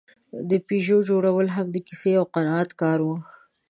د پيژو جوړول هم د کیسې او قناعت کار و.